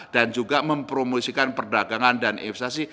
dan juga mempromosikan perdagangan dan investasi